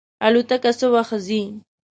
الوتکه څه وخت ځي؟